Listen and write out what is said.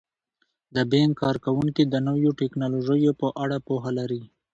د بانک کارکوونکي د نویو ټیکنالوژیو په اړه پوهه لري.